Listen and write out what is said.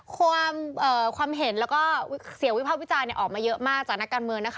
ความเห็นแล้วก็เสียงวิภาพวิจารณ์ออกมาเยอะมากจากนักการเมืองนะคะ